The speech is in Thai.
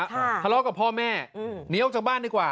ทะเลาะกับพ่อแม่อืมหนีออกจากบ้านดีกว่า